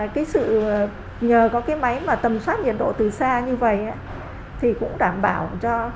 cái sự nhờ có cái máy mà tầm soát nhiệt độ từ xa như vậy thì cũng đảm bảo cho